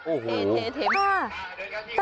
โอ้โหเท